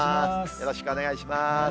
よろしくお願いします。